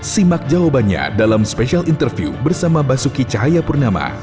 simak jawabannya dalam spesial interview bersama basuki cahaya purnama